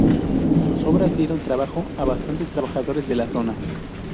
Sus obras dieron trabajo a bastantes trabajadores de la zona.